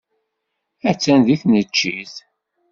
Attan deg tneččit.